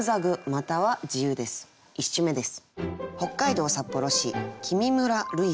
１首目です。